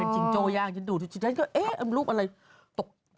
จิงโจ้ย่างจิงดูแล้วนิดอันกลัวเอ๊ะลูปอะไรตกมา